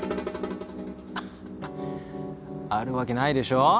はははっあるわけないでしょ？